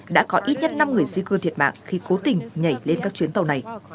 đã có ít nhất năm người di cư thiệt mạng khi cố tình nhảy lên các chuyến tàu này